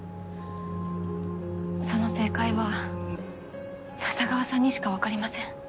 その正解は笹川さんにしかわかりません。